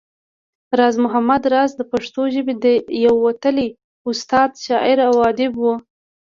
راز محمد راز د پښتو ژبې يو وتلی استاد، شاعر او اديب وو